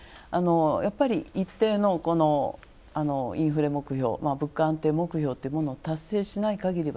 やっぱり一定のインフレ目標、物価安定目標ってものを達成しない